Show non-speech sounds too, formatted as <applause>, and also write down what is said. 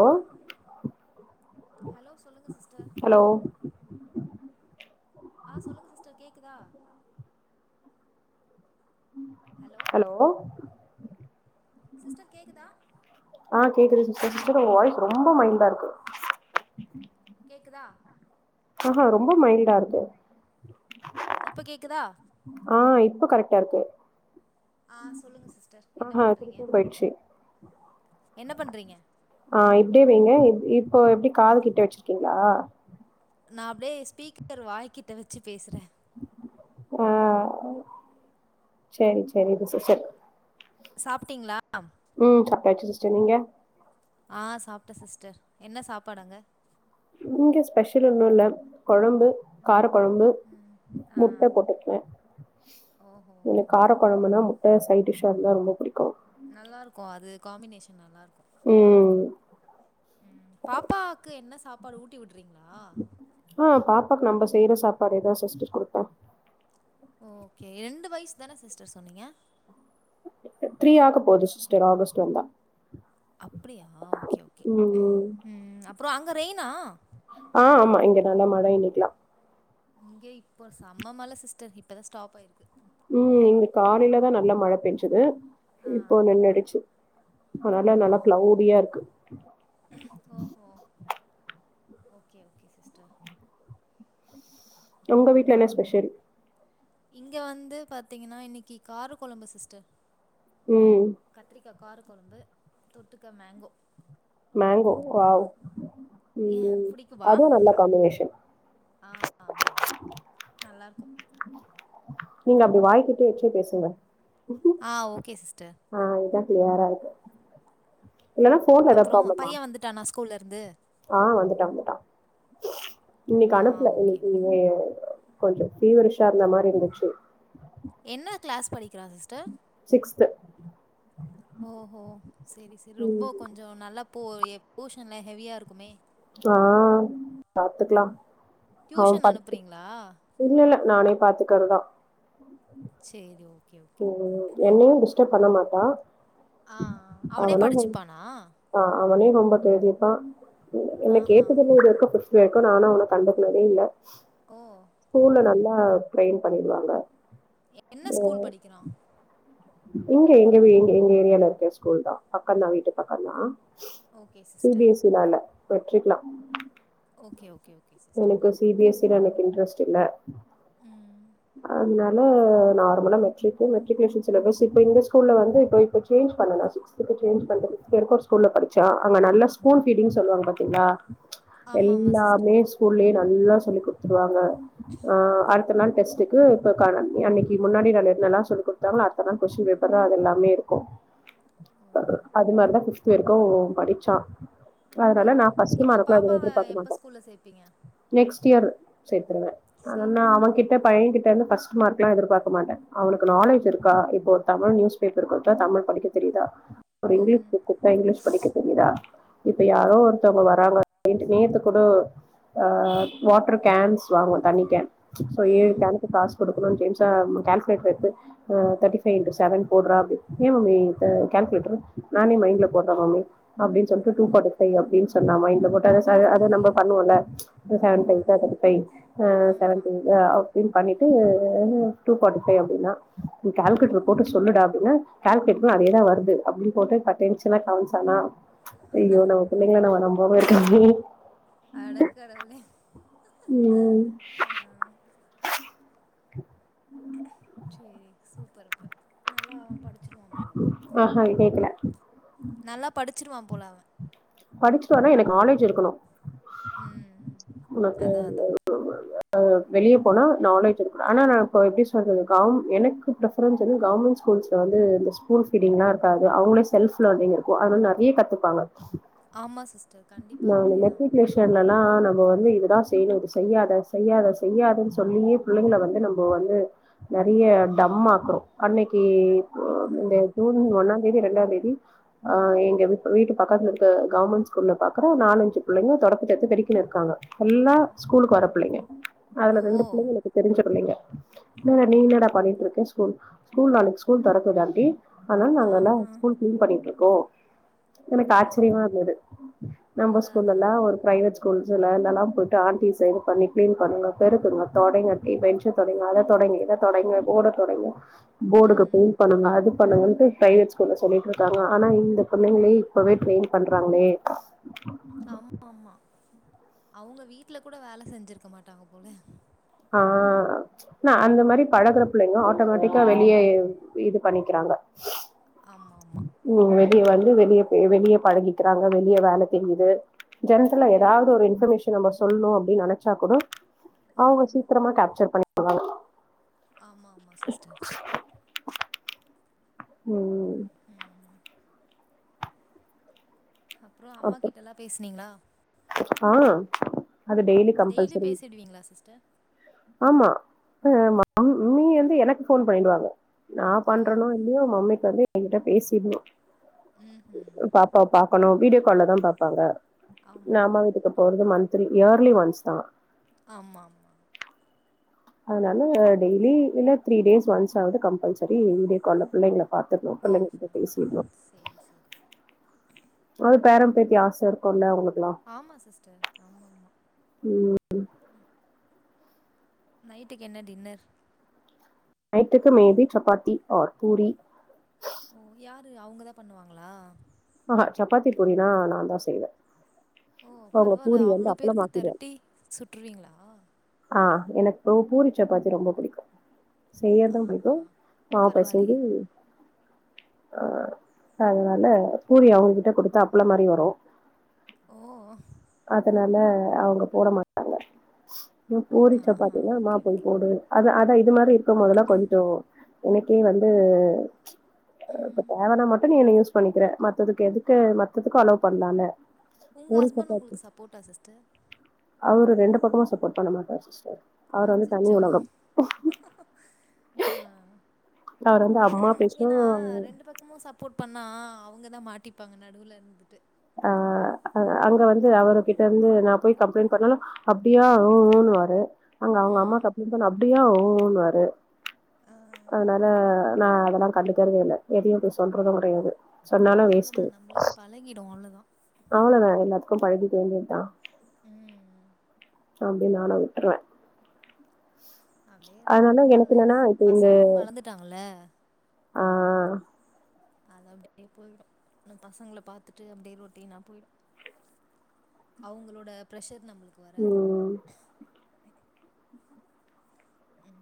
ஓ hello சொல்லுங்க sister ஆ சொல்லுங்க சிஸ்டர் கேக்குதா ஹலோ சிஸ்டர் கேக்குதா ஆ கேக்குது சிஸ் சிஸ்டர்உங்க வாய்ஸ் ரொம்ப மைல்டா இருக்கு கேக்குதா ஆஹஹா ரொம்ப மைல்டா இருக்கு இப்ப கேக்குதா ப கரெக்டா இருக்கு ஆஹ் சொல்லுங்க சிஸ்டர் என்ன ஆஹா பண்றீங்க திருப்பியு போயிடுச்சு என்ன பண்றீங்க அப்படியேவைங்க இப்போ எப்படி காது கிட்ட வெச்சிருக்கீங்களா நான் அப்படியே ஸ்பீக்கர் வாய்கிட்ட வெச்சு பேசற ஆ சேரி சேரிங் சிஸ்டர் சாப்பிட்டீங்களா உம் சாப்பிட்டாச்சுங் சிஸ்டர் நீங்க ஆஹ் சாப்பிட்ட சிஸ்டர் என்ன சாப்பாடு அங்க இங்க ஸ்பெஷல் ஒன்னு இல்ல கொழம்பு கார குழம்பு ம் ஆ முட்ட போட்டுருக்க ஓஹோ எனக்கு கார கொழம்புனா முட் ட சைடிஷா இருந்தா ரொம்ப புடிக் நல்லா இருக்கு அது காமினேஷன் நல்லா இருக்கு ம் உம் பாப்பாக்கு என்ன சாப்பாடு ஊட்டி விட்டு ஆஹ் பாப்பாக்கு நம்ப செய்யற சாப்பாடு ஏதாவது <unintelligible> கொடுத்தேன் <unintelligible> கே ரெண்டு வயசு தானே சிஸ்டர் சொன்னீங்க த்ரீ ஆக போகுது சிஸ்டர் ஆகஸ்ட் வந்தா அப்படியா ஓகே ஓகே ம் உம் அப்புறம் அங்க ரெய்னா பயணிக்கலாம் இங்கே இப்போ செம மழை சிஸ்டர் இப்பதான் ஸ்டாப் ஆயிருக்கு உம் இங்க காலையிலதான் நல்லா மழை பெஞ்சது ஆ இப்ப நின்னுடுச்சு அதனால நல்லா ஆஹா க்ளௌடியா‌ இருக்கு ஓஹோ ஓகே ஓகே சிஸ்டர் உங்க வீட்ல என்ன ஸ்பெஷல் இங்க வந்து பாத்தீங்கன்னா இன்னைக்கு கார குழம்பு சிஸ்டர் உம் கத்திரிக்கா கார கொழம்பு தொட்டுக்க மேங்கோ மேங்கோ வாவ் ஏன் ம் பிடிக்குமா அதுவு நல்ல காம்பினேஷன் ஆஹ் ஆமா ஆமா நல்லா இருக்கும் நீங்க அப்டி வாய்கிட்ட வச்சே பேசுங்க ஆஹ் ஓகே சிஸ்டர். க்ளியறாருக்கு. இல்லனா ஃபோன்ல எதாது ப்ராப்ளமா? கூல இருந்து. ஆஹ் வந்துட்டா வந்துட்டா இன்னைக்கு ஆ அனுப்புல ஓகே இன்னைக்கு ஓகே கொஞ்சம் ஃபீவரிஷ்ஷா இர்ந்த மாரி இந்துச்சு. என்ன க்ளாஸ் படிக்கிறா சிஸ் டர் சிக்ஸ்து ஓஹோ சேரி சேரி. ம் ரொம்போ கொஞ்சோ நல்லா இப்போ எ போஷன்லா ஹெவியா இருக்குமே. ஆஹ் பாத்துக்லா. அவ டியூஷன் பட்த்து அனுப்புறீங்களா? இல்ல இல்ல நானே பாத்துக்கிறதா. ம் சேர்ரி ஓக் உம் என்னயு டிஷ்டப் பண்ணமாட்டா. ஆ, அவனே அவனா ஹ படிச்சுப்பானா? ஆஹ் அ அவனே ரொம்ப தேதிப்பா. என் என்ன ஆஹா! கேட்டதில்ல இதுவரக்கு ஃபஸ் இதுவரைக்கு நானு அவன கண்டுக்கனதே இல்ல. ஓ! ஸ்கூல்ல நல்லா ட்ரைய்ன் பண்ணிடுவாங்க. என்ன ஸ்கூல் படி க்கிறா இங்க எங்கவே எங் எங்க ஏரியால இருக்க ஸ்கூல்தா பக்கந்தா. வீட்டு பக்கந்தா. Okay C B sister. எஸ் சி-னால வெற்றிக்லா ஓகே ஓகே ஓகே சிஸ்டர். தில எனக் இன்ட்ரஸ்ட் இல்ல ம். அதுனா ல நார்மலா மெட்ரிக்கு மெட்ரிக்லேஷன் சிலபஸ் இப்ப இந்த ஸ்கூல்ல வந்து இப்ப இப்ப சேஞ்ச் பண்ண நா சிக்ஸ்துக்கு சேஞ்ச் பண்ணே ஃபிஃப்த் வரைக்கு ஒரு ஸ்கூல்ல படிச்சா அங்க நல்ல ஸ்கூல் ஃபீடிங் சொல்வாங்க பாத்தீங்ளா ஆமாமா எல்லாமே சிஸ்டர். ஸ்கூல்லே நல்லா சொல்லிக் குட்த்துருவாங்க. அ அடுத்த நாள் டெஸ்டுக்கு இப்ப <unintelligible> அன்னைக்கு முன்னாடி நாள் என்னெல்லா சொல்லி குடுத்தாங்களோ அத் தன கொஷ்டின் பேப்பர்ல அதெல்லாமே இருக்கு ஓஹோ! அது மாரி தா ஃபிஃப் த் வரைக்கு படிச்சா அதுனால நா ம். ஃபஸ்ட்டு இப்போ மார்க்லா எதுமே பாப்பாவ எதிர்பாக்க எப்போ மாட்டே ஸ்கூல்ல சேர்ப்பீங்க? நெக்ஸ் டியர் சேத் துருவே ஆனா சரி, சரி. அவகிட்ட பையங்கிட்ட இருந்து ஃபஸ்ட்டு மார்க்லா எதிர்பாக்க மாட்டே அவனுக்கு நாலேஜ் இருக் கா இப்போ தமிழ் நியூஸ் பேப்பர் குடுத்தா தமிழ் படிக்க தெரியுதா ஒரு இங்கிலீஷ் ம். புக் குட்த்தா இங்கிலீஷ் படிக்க தெரியுதா இப்ப யாரோ ஒருத்தவ்ங்க வராங்க டின்ட்டு நேத்து கூட அ வாட்டர் கேன்ஸ் வாங்குவோ தண்ணி கேன் சோ ஏழு ம். கேனுக்கு காஸ் குடுக்கணு <unintelligible> கால்க்லேட்டர் எடுத்து ஓ தியேட்டி ஃபைவ் இன்டு செவன் போடுறாரு ஏன் மம்மி இப்போ கால்குலேட்டர் நானே மைண்ட்ல போடுறேன் மம்மி அப்படின்னு ஓ! சொல்லிட்டு டூ ஃபார்டி ஃபைவ் அப்படின்னு சொன்னா மைண்ட்ல போட்டு அத அத நம்ம பரவாயில்லையே! பண்ணுவோம்ல்ல ச்சு செவன் ஆமா, ஃபைவ்ஸ் ஆர் தியேட்டி ஃபைவ் ஆ செவன் ஆமா. டூஸ் ஆர் அப்படின்னு பண்ணிட்டு டூ ஃபார்டி ஃபைவ் அப்படின்னா கல்குலேட்டர் போட்டு சொல்லுடா அப்படின்னா கல்குலேட்டர் அதேதான் வருது அப்படின்னு போட்டு பட்டென்ஷனாயி காமிச்சான ச்சு ஐயோ நம்ம பிள்ளைங்களா நம்ம நம் <unintelligible> அட கடவுளே ம் ஆ சரி சூப்பர்ப்ப நல்லா படிச்சிருவான் போலப்ப ஆஹா கேக்கல நல்லா படிச்சு வச்சுிருவான் போல அவன் படிச்சுட்டு வனா எனக்கு நாலேஜ் இருக்கணும் ம் உனக்கு அதா அதா என் <unintelligible> ஆ வெளிய போனா நாலேஜ் இருக்க ஆனா நான் இப்ப எப்படி சொல்றது கவு எனக்கு ப்ிஃபரன்ஸ் வந்து கவர்மெண்ட் ஸ்கூல்ஸ்ல வந்து இந்த ஸ்கூல் ஃபீடிங்லாம் இருக்காது அவங்களே செல்ஃப் லர்னிங் இருக்கும் அதனல்லாம் நிறைய கத்துப்பாங்க ஆமா சிஸ்டர் கண்டிப்பா நான் அதேதான் மெட்ரிகுலேஷன்லலாம் நம்ம வந்து இதுதான் செய்யணும் இது செய்யாத செய்யாத செய்யாதுன்னு சொல்லியே பிள்ளைங்க வந்து நம்ம வந்து நிறைய டம் ஆக்குறோம் அன்னைக்கு ஆ இந்த ஜூன் ஒன்னாம் தேதி இரண்டாம் தேதி ஆ எங்க வீட்டு பக்கத்துல இரு கவர்ர்மெண்ட் ஸ்கூல்ல பாக்குற நாலுஞ்சு பிள்ளைங்க த தொடத்தை பெக்கனு இருக்கா எல்லா ஸ்கூலுக்கு வர பள்ளைங்க அதுல ஓ ரெண்டு பிள்ளைங்க எனக்கு தெரிஞ்ச பிள்ளங்க என்னடா நீ என்னடா பண்ணிட்டு இருக்கேன் ஸ்கூல் ஸ்கூல் நாக்கு ஸ்கூல் திறக்குதாண்டி ஆனா ஆ நாங்க எல்லாம் ஆ ஸ்கூல் கிளீன் பண்ணிட்டும் ஓ ஓ சிவந்தது நம்ம அதா ஸ்கூல் அதா எல்லாம் ஒரு பிரைவேட் ஸ்கூல் இதெல்லாம் போயிட்டு ஆன் சை இது பண்ணி கிளீன் பண்ணுங்க பெருக்குங்க தொடங்கட்டி பென்்சு தொடங்க அதை தொடங்கு இதை தொடங்க போ்ட தொடங்குங்க போர்டுக்கு ம் பெயிண்ட் பண்ணுங்க அதுக்கு பொண்ணுங்க பிரைவேட் ஸ்கூல்ல சொல்லிட்டு இருக்காங்க ஆனா இந்த பொண்ணைங்களளை இப்பவே ட்ரெயின் பண்றாங்ளே அவுங்க வீட்ல கூட வேல செஞ்சிருக்க மாட்டாங்க போல ஆ ஆ அந்த மாரி பழகுற புள்ளைங்க ஆட்டோமேட்டிக்கா வெளியே இது பண்ணிக்றாங்க ஆமா ஆமா வந்து வெளிய வெளியே பழகிக்கிறாங்க வெளிய வேல தெரியுது ஜென்ட்ரல ஏதாவது ஒரு இன்பர்மேஷன் நம்ம சொல்ணு அப்டின்னு நெனைச்சா கூட அவுங்க ம் சீக்ரமா கேப்சர் பண்ணிப்பாங்க ஆமா ஆமா சிஸ்டர் ம் ம் அப்ரோ அம்மா கிட்டல்லா பேசுநீக்லா ஆ அது டெய்லி கம்பல்சரி சிஸ்டர் ஆமா நீ வந்து எனக்கு போன் பண்ணிடுவாங்க நான் ஓ பன்றனோ இல்லையோ மம்மிக்கு வந்து என்கிட்ட பேசிடுனு ம்ஹூம் பாப்பா பாப்பா கணு வீடியோ கால்ல தா பாப்பாங்க ஆமா நம்ம வீட்டுக்கு போறது மண் இயர்லி ஒன்ஸ் தா ஆமா ஆமா அதனால டெய்லி இல்ல த்ரீ டேஸ் ஒன்ஸ் ஆவது கம்பல்சரி வீடியோ கால்ல புள்ளைங்ள ஓஹோ சேரி சேரி சேரி அப்ரோ பேரபேத்தி ஆச இருக்குல்ல அவங்ளுக்கெல்லா ஆமா சிஸ்டர் ஆமாமா உம் நைட்டுக்கு என்ன டின்னர் நைட்டுக்கு மேபி சப்பாத்தி ஆர் பூரி ஓ யாரு அவுங்கதா பண்ணுவாங்ளா ஆஹஹா சப்பாத்தி பூரினா நா தா செய்வே ஓ அவங்க பரவால்ல பூரி வந்து அவ்ளோ பேருக்கு அப்பளமாக்கிடுவே தெரட்டி சுட்டுருவீங்ளா ஆஹ் எனக்கு பூரி சப்பாத்தி ரொம்ப புடிக்கு செய்யரது புடிக்கு ஆஹா மாவு பெசஞ்சு பரவால்லயே அஹ் அதனால பூரி அவுங்ககிட்ட குடுத்தா அப்ளோமாரி வரு ஓ அதனால அவுங்க போட மாட்டாங்க பூரி ஆஹா சப்பாத்தினா மா ஓகே போய் ஓகே போடு அது அத இந்த மாரி இருக்குபோதெல்லா கொஞ்சோ எனக்கே வந்து ப்ப ம் தேவானா மட்டும் நீ என்ன யூஸ் பண்ணிகிற மத்ததுக்கு எதுக்கு மத்ததுக்கு அலோ பண்ணலாம்ல உங்க ஹஸ்பண்ட் உங்களுக்கு சப் போட்டா சிஸ்டர் அவரு ரெண்டு பக்கமு சப்போர்ட் பண்ண மாட்டார் சிஸ்டர் அவர் வந்து தனி அச்சச்சோ உலகம் ஆஹ் அவரு வந்து அம்மா பேசும் சப்போட் பண்ணா அவுங்கதா மாட்டிப்பாங்க நடுவுல இருந்துட்டு ஆ அ அங்க வந்து அவரு கிட்டருந்து நா போய் கம்பளைண்ட் பண்ணாலு அப்படியா உ உ ன்னுவாரு அங்க அவங்க அம்மா ம் கம்ப்ளைண்ட் பண்ண அப்படியா உ உ னுவாரு ஆ அதனால நா அதெல்லா கண்டுகரதே இல்ல எதையு போய் சொல்றது கிடையாது சொன்னாலு வேஸ்ட்டு அவ்ளோதா நம்பளுக்கு பழகிடு அவ்ளோதா அவ்ளதான் எல்லாத் கொஞ் பழகி தெரிஞ்சதுதா உம் அப்படி நானா விட்ருவே அப்படியே இருக்க அதனால வேண்டியதுதா எனக்கு லைப் என்னன்னா பசங்களு வளந்துட்டாங்கல ஆஹ் அது அப்படியே போயிடு இன்னு பசங்கள பாத்துட்டு அப்படியே ரொட்டினா போயிடும் அவங்களோட பிரஷர் நம்மளுக்கு வராது ம் உம்